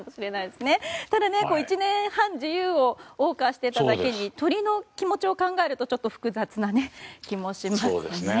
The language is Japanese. ただ１年半自由を謳歌していただけに鳥の気持ちを考えるとちょっと複雑な気もしますね。